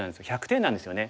１００点なんですよね。